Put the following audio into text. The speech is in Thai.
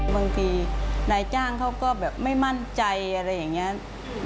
บางทีนายจ้างเขาก็แบบไม่มั่นใจอะไรอย่างนี้